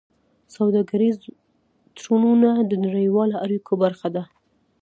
سوداګریز تړونونه د نړیوالو اړیکو برخه ده.